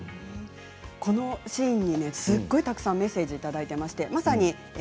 このシーンにすごくたくさんメッセージをいただいています。